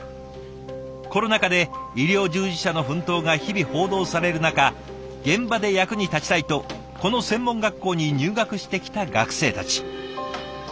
コロナ禍で医療従事者の奮闘が日々報道される中現場で役に立ちたいとこの専門学校に入学してきた学生たち。